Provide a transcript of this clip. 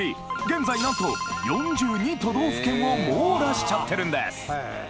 現在何と４２都道府県を網羅しちゃってるんです